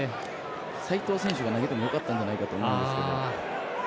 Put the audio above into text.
齋藤選手が投げてもよかったんじゃないかと思いますけど。